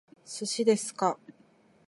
寿司ですか？